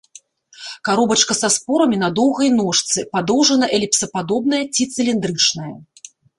Каробачка са спорамі на доўгай ножцы, падоўжана-эліпсападобная ці цыліндрычная.